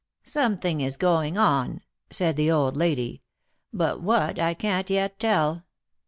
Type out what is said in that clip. " Something is going on," said the old lady, " but what I can't yet tell.